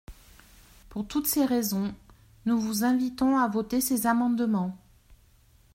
Pour toutes ces raisons, nous vous invitons à voter ces amendements.